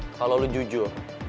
kalau lo jujur